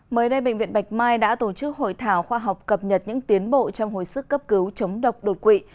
mới đây bệnh viện bạch mai đã tổ chức hội thảo khoa học cập nhật những tiến bộ trong hồi sức cấp cứu chống độc đột quỵ